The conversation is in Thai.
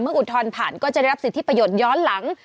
เมื่ออุดทอนผ่านก็จะได้รับสิทธิ์ที่ประโยชน์ย้อนหลัง